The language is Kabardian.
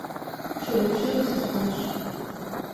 Щыгъупщэх сыхъуащ.